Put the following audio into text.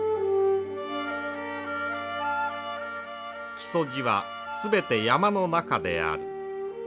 「木曾路はすべて山の中である」。